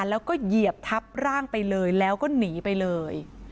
แล้วก็เหยียบทับร่างไปเลยแล้วก็หนีไปเลย